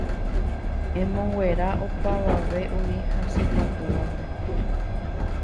emonguera opavave umi hasykatúvape